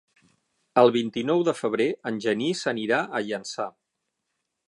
El vint-i-nou de febrer en Genís anirà a Llançà.